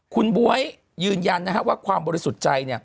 คุณบ๊วยยืนยันว่าความบริสุทธิ์ใจ